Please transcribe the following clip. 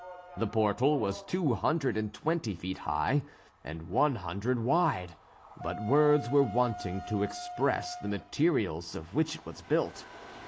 The portal was two hundred and twenty feet high, and one hundred wide; but words are wanting to express the materials of which it was built.